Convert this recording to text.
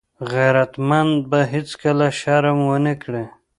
غیرتمند به هېڅکله شرم ونه کړي